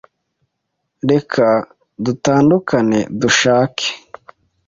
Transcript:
Reka dutandukane dushake .